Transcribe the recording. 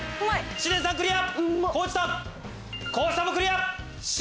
知念さんクリア！